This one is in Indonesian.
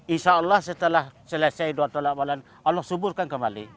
insya allah setelah selesai doa doa bala allah suburkan kembali